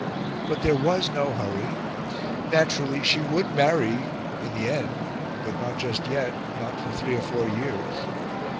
But there was no hurry; naturally, she would marry in the end but not just yet not for three or four years.